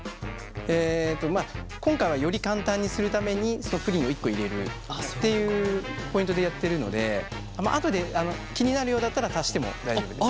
えっと今回はより簡単にするためにプリンを１個入れるっていうポイントでやってるので後で気になるようだったら足しても大丈夫です。